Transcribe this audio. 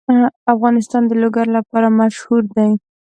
افغانستان د لوگر لپاره مشهور دی.